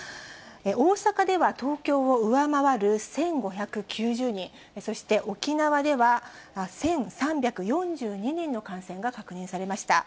大阪では東京を上回る１５９０人、そして沖縄では、１３４２人の感染が確認されました。